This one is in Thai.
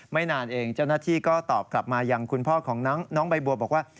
นานเองเจ้าหน้าที่ก็ตอบกลับมาอย่างคุณพ่อของน้องใบบัวบอกว่า